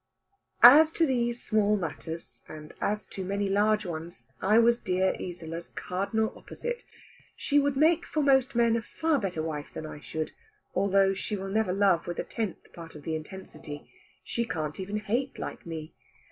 As to these small matters, and as to many large ones, I was dear Isola's cardinal opposite. She would make, for most men, a far better wife than I should; although she will never love with a tenth part of the intensity. She can't even hate like me.